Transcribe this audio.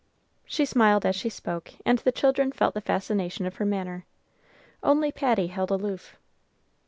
She smiled as she spoke, and the children felt the fascination of her manner; only Patty held aloof.